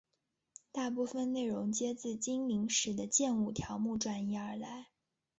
大部分内容皆自精灵使的剑舞条目转移而来。